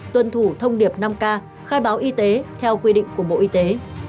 tuân thủ thông điệp năm k khai báo y tế theo quy định của bộ y tế